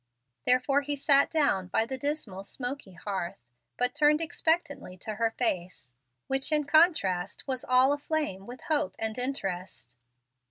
Therefore he sat down by the dismal, smoky hearth, but turned expectantly to her face, which, in contrast, was all aflame with hope and interest.